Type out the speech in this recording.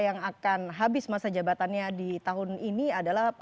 yang akan habis masa jabatannya di tahun ini adalah